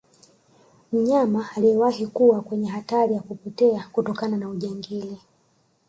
mnyama aliyewahi kuwa kwenye hatari ya kupotea kutokana na ujangili